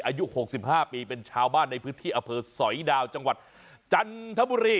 อายุ๖๕ปีเป็นชาวบ้านในพื้นที่อเภอสอยดาวจังหวัดจันทบุรี